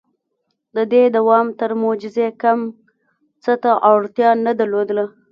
• د دې دوام تر معجزې کم څه ته اړتیا نه درلوده.